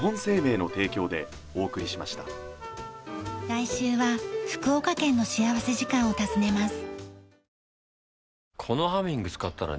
来週は福岡県の幸福時間を訪ねます。